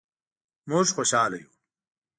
مونږ خوشحاله یو